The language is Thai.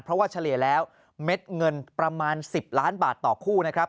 เพราะว่าเฉลี่ยแล้วเม็ดเงินประมาณ๑๐ล้านบาทต่อคู่นะครับ